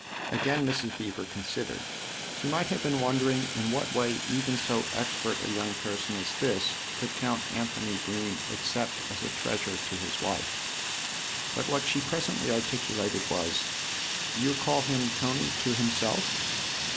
Again Mrs. Beever considered : she might have been wondering in what way even so expert a young person as this could count Anthony Bream except as a treasure to his wife. But what she presently articulated was : "Do you call him f Tony ' to himself?"